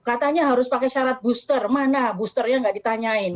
katanya harus pakai syarat booster mana boosternya nggak ditanyain